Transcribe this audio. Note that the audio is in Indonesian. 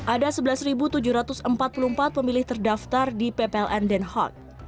ada sebelas tujuh ratus empat puluh empat pemilih terdaftar di ppln den haag